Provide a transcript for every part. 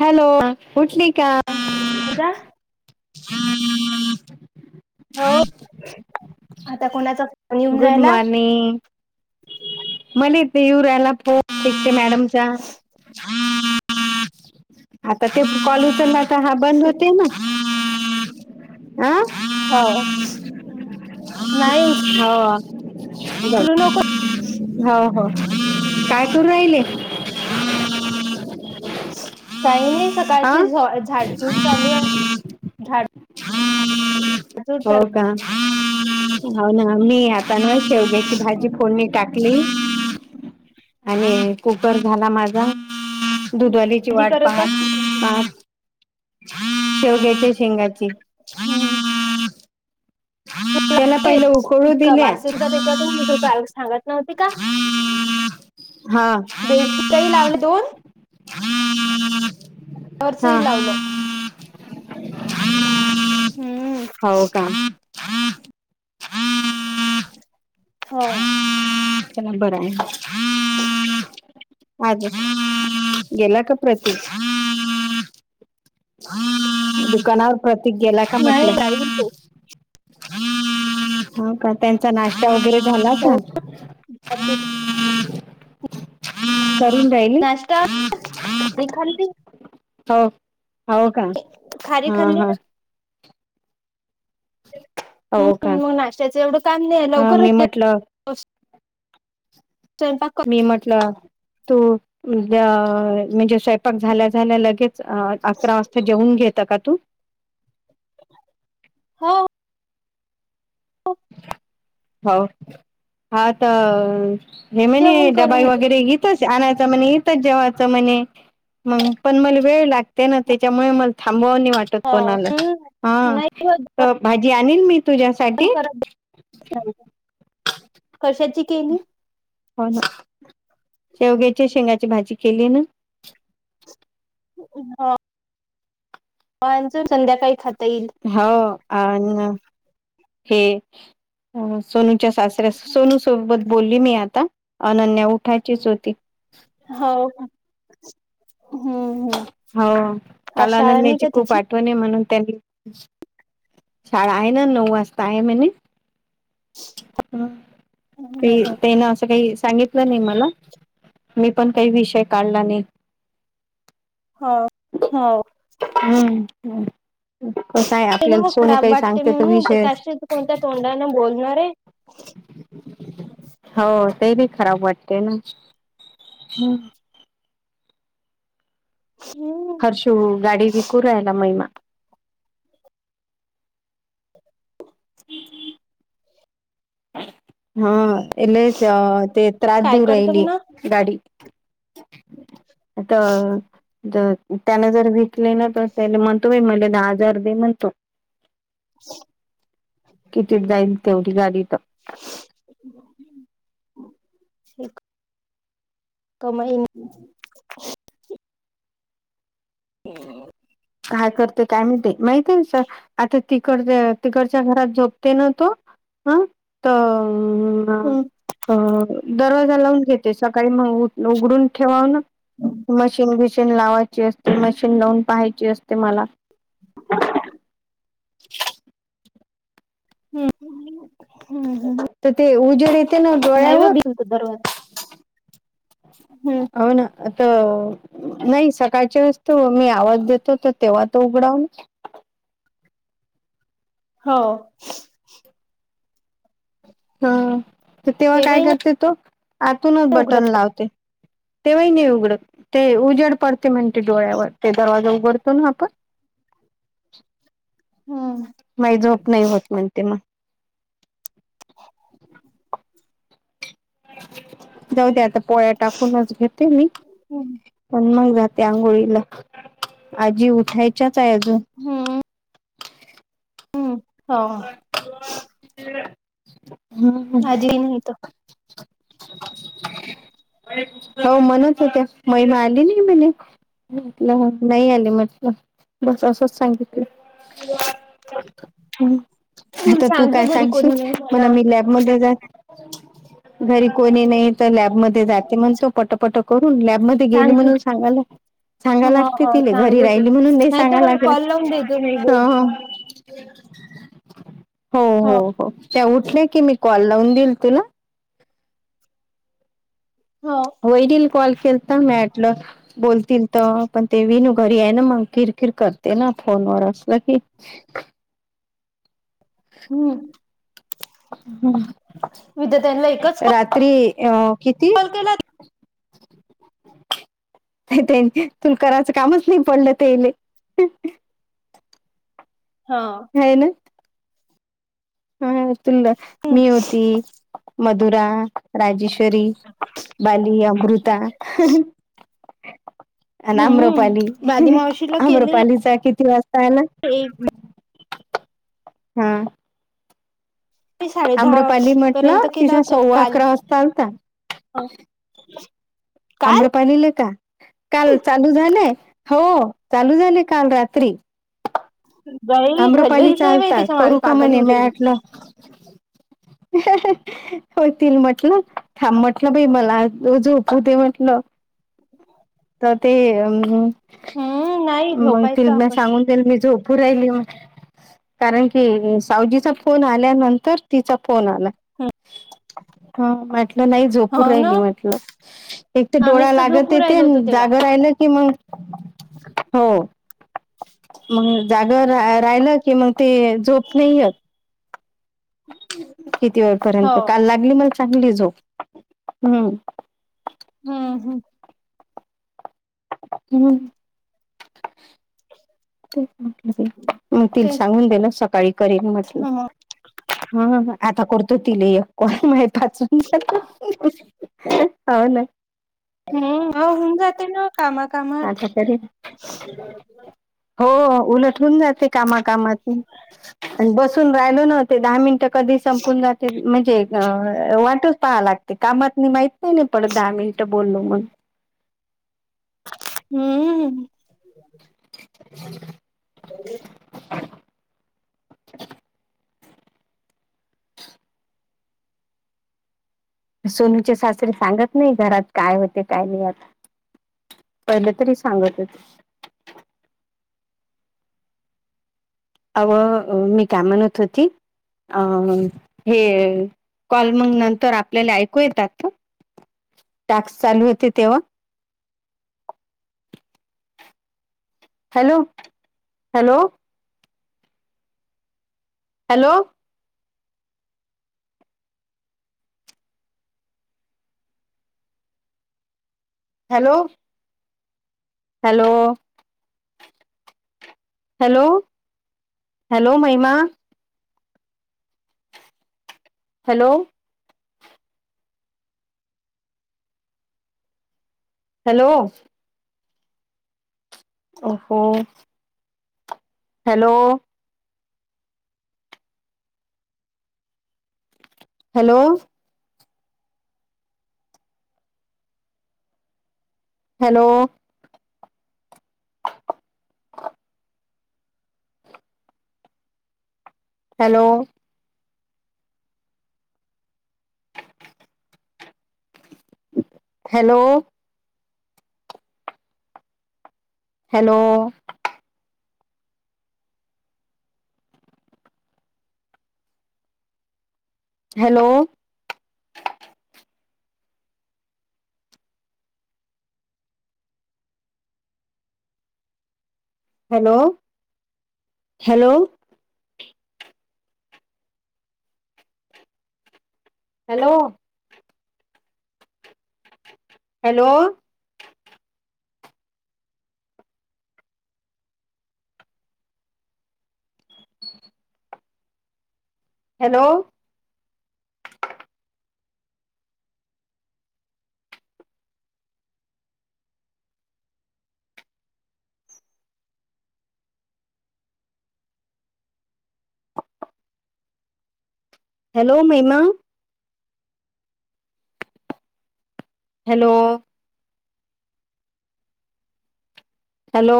Hello उठली का? हला [unintelligible] हम्म आता कोणाचा फोन येऊन गुड राहिला मॉर्निंग मला ते यवऱयला पोते मॅडमच्या आता ते कॉलसला तर हा बंद होते ना आ हो नाही उ हो त नक हो हो काय करर राहिले हो काही नाही आ सकाळची झ झाडझूड चालू आहे झा हो काना मी पण शेवग्याची भाजी पोरणी टाकली आणि कुकर झाला माझा दुधवालीची भाजी वाट करत पाह आहे पा शेव घ्यायचे शेंगाची हम्म त्याला पहिलं उकळू इतका दिल्या वासिर का तथेत मी तु का आयोग सांगत नव्हती का हा बेडशीटही लावले दोन हम् खर्चही लावलं हम्म हो का हमम हो चला बरं आहे अज गेला का प्रती दुकानावर प्रतीक गेला का नाही म्हटलं राहील ते ह का त्यांचा नाश्ता वगैरे झाला का अछ ली नाश्ता खारी खाल्ली हो हो का खारी हा खाल्ली हा हम हो का मग नाश्त्याच एवढं काम नाही आहे हा मी लवकरच म्हटलं स्वयंपाक कर म्हट त म्हणजे स्वयंपाक झाल्या झाल्या लगेच अ अकरा वाजता जेवन घेत का तू हो हो, हो हा तर हेम जेवण करून डबाई घे. वगैरे घ च आणायच म्हणे इथच जेवायच म्हणे म पण मला वेळ लागते ना त्याच्यामुळे म थांबवणी वाटत हा कोणाला हम्म हा नाही होत तर भाजी आणल मी जेवण तुझ्यासाठी करत कशाची केणी हो ना शेवग्याच्या शेंगाची भाजी केली ना हो मचून संध्याकाळी खाता येईल हो अ हे सोनू च्या सासऱ्या सोनू सोबत बोलली मी आता अनन्या उठायचीच होती हो का हो आज शाळा नाही कालानंदण्याची का खूप तिची? वाट म्हणून त्यांनी शाळा आहे ना नऊ वाजता आहे म्ह हा हम्म, ते हम्म. तेन असं काही सांगितलं नाही मला मी पण काही विषय काढला नाही हा हो हम्म कसं आहे ते ना आपल्याला मग सोनू खराब काही वाटते सांगते त म्हणून ते विषय काशी कोणत्या तोंडाने बोलणार आहे? हो ते बी खराब वाटते ना हम्म शिव गाडी विकू राहायला महिना [inaudible] हा लईच त्रास काय देऊ करतो राहिली म्हणा गाडी आता ज त्यान जर विकले ना तर त्याला म्हणतो मला दहा हजार दे म्हणतो किती जाईल तेवढी गाडी ट [inaudible] कमाई नाही हो काय करते काय मी ते माहिती आहे ना आता तिकड तिकडच्या घरात झोपते ना तो हा तर हम्म ह दरवाजा लावून घेते सकाळी मग उ उघडून ठेवावून मशीन बिशीन लावायची असते मशीन लावून पहायची असते मला [inaudible] हम्म हम्म हम्म तिथे उजेड ते ना नाही व डोळयांवर भिंत दरवाजा हम्म हो ना आता नाही सकाळच्या असतो मी आवाज देतो तर तेव्हा तो उघडावा हो हा तेव्हा काय तेव्हाही करते तु आतूनच नाही बटन उघडत का? लावते तेव्हाही नाही उघडत ते उजेड पडते म्हणते डोळ्यावर ते दरवाजा उघडतो ना आपण हम नाही झोप नाही होत म्हणते मग जाऊदे आता पोळ्या टाकुनच घेते मी हम्म पण मग जाते आंघोळीला आजी उठायच्याच आहे अजून हम् हम्म हो हम् आजी नाही [inaudible] हो म्हणत होत्या महिमा आली नाही म्हणे म्हटलं नाही आले म्हटलं बस असंच सांगितलं ह् आता तू सांग काय ग घरी सांगशील कोणी नाही म्हंण म्हणा मी लॅबमध्ये जा घरी कोणी नाही तर लॅब मध्ये जाते म्हणतो पटापटा करून लॅब म ती गेली सांग म्हणून सांगाला सांगा हा लागते हा तिला घरी सांगते राहिली म्हणून नाही सांगा तर मला कॉल लागत लावून देते मी बोलते हो हो हो त्या उठल्या की मी कॉल लावून देईल तुला हो वहिनींनं कॉल केलता तर म्हटलं बोलतील तर पण ते विनू घरी आहे ना मग किर किर करते ना फोनवर असलं की हम् हम्म उद्या त्यान्ला एकच तरी किती? कॉल केला [inaudible] त्यां तुल करायचं कामच नाही पडलं तेले हा हो ना हा तु मी होती मधुरा राजेश री बाली अमृता आणि हम्म आम्रपाली बाली मावशीला केले आम्रपालीचा किती वाजता आला एक हम्म साडे दहा आम्रपाली पर्यंत म्हटलं केला तिचा होता सव्वा काल अकरा वाजता आलता काल अमृ का काल चालू झाले हो चालू झाले काल रात्री बाई भलं ह नाही बा त्याच्या मागे पागल होऊ जाईल ना [inaudible] ह होतील म्हटलं ां म्हटलं बाई मला झोपू दे म्हटलं तर ते हम्म नाही म त झोपायचं आपण सांगून म झोपू राहिली कारण की सावजीचा फोन आल्यानंतर तिचा फोन आला ह नाही झोपूर हो ना राहिली म्हटलं एक तर डोळा आम्हीच लागत झोपू येते जागा राहिलं की मग ह अ हो मग जागा रा राहिलं की मग ते झोप नाही य किती हो वेळपर्यंत काल लागली मला चांगली झोप हम्म हा हम हम् मग तिला तेच सांगून दिलं सकाळी करेन म्हटलं ना मग हा आता करतो ति लेय कोण माहच हो ना हम्म अ होऊन जाते ना कामा कामात आता करीन हो उलट होऊन जाते कामा कामाात आणि बस राहिल नव्ह दहा मिनिटं कधी संपून जाते म्हणजे अ वाटच पहा लागते कामात म माहित नाही नाही पण दहा मिनिटं बोललो म्हण हम्म हम हो [unintelligible] [inaudible] सोनूचे सासरे सांगत नाही घरात काय होते काय नाही आत पहिलं तरी सांगत हो अवं मी काय म्हणत होती अ हे कॉल मग नंतर आपल्याला ऐकू येतात टास्क चालू होते तेव्हा hello hello hello hello hello hello hello Mahima hello hello ओ हो hello hello hello hello hello hello, hello, hello, hello, hello hello hello hello, Mahima hello hello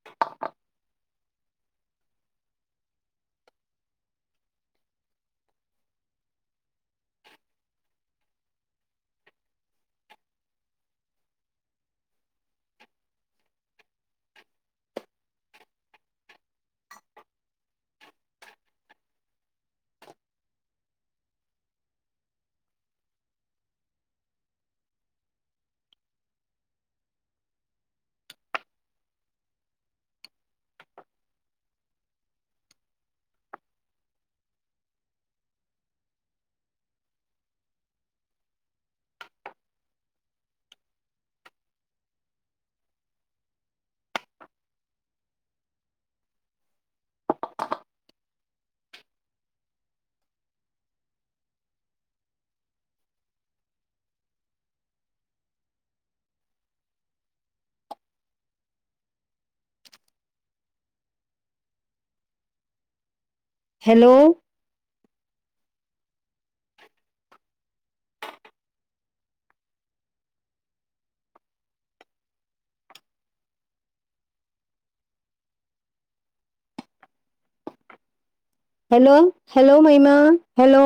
ह [unintelligible] hello hello, hello Mahima. Hello,